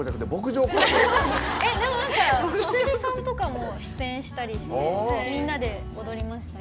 羊さんとかも出演したりしてみんなで踊りました。